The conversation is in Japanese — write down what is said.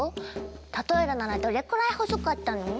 例えるならどれくらい細かったの？